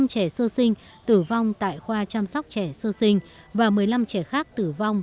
năm trẻ sơ sinh tử vong tại khoa chăm sóc trẻ sơ sinh và một mươi năm trẻ khác tử vong